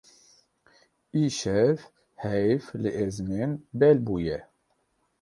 Îşev heyv li ezmên bel bûye.